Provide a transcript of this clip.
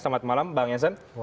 selamat malam bang jensen